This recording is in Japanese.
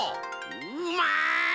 うまい！